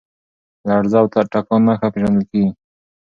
لرزه او تکان نښه پېژندل کېږي.